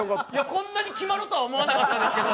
こんなに決まるとは思わなかったんですけど